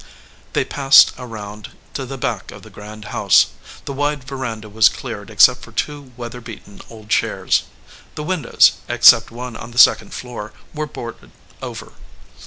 They passed around to the back of the grand house. The wide veranda was cleared except for two weather beaten old chairs. The windows, ex cept one on the second floor, were boarded over.